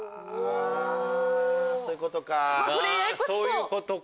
そういうことか。